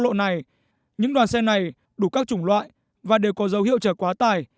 quốc lộ này những đoàn xe này đủ các chủng loại và đều có dấu hiệu chở quá tải